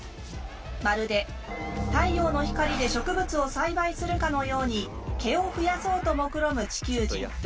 まるで太陽の光で植物を栽培するかのように毛を増やそうともくろむ地球人。